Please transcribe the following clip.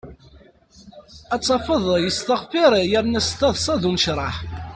Ad tafeḍ yesteɣfir yerna s taḍsa d unecraḥ.